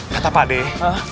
kata pak dek